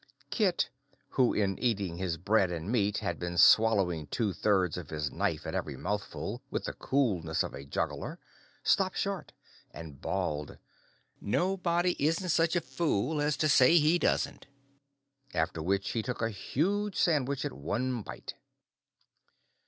Kit, who in eating his bread and meat had been swallowing two thirds of his knife at every mouthful with the coolness of a juggler, stopped short and bawled, "Nobody isn't such a fool as to say he doesn't," after which he took a huge sandwich at one bite.